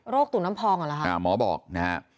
โรคตุ่มน้ำพองอ่ะหรอครับหมอบอกนะฮะ